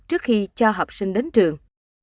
trước khi cho học sinh đến trường